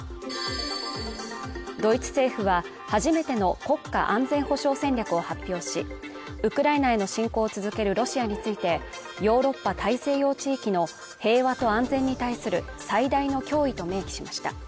ドイツ政府は初めての国家安全保障戦略を発表し、ウクライナへの侵攻を続けるロシアについてヨーロッパ・大西洋地域の平和と安全に対する最大の脅威と明記しました。